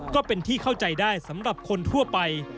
ก็เป็นที่เข้าใจได้สำหรับคนทั่วไป